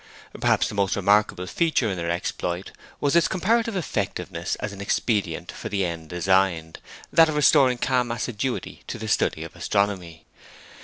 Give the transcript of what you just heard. Perhaps the most remarkable feature in their exploit was its comparative effectiveness as an expedient for the end designed, that of restoring calm assiduity to the study of astronomy.